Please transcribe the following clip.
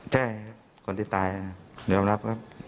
ใช่ครับคนที่ตายเรียบรับ